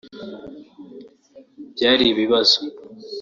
byari ibibazo